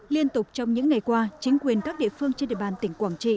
liên tục trong những ngày qua chính quyền các địa phương trên địa bàn tỉnh quảng trị